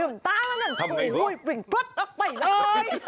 ลืมตาแล้วกันโอ้โฮวิ่งพล็อตออกไปเลย